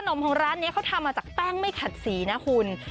มของร้านนี้เขาทำมาจากแป้งไม่ขัดสีนะคุณ